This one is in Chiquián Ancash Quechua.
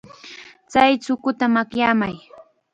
Chay chukuta makyamay.